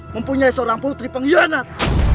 mempunyai seorang putri pengkhianat